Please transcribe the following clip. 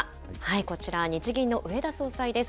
こちら、日銀の植田総裁です。